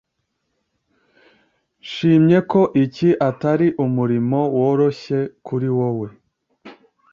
Nshimye ko iki atari umurimo woroshye kuri wewe